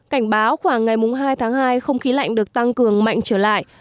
cảnh báo khoảng ngày hai tháng hai không khí lạnh được tăng cường mạnh trở lại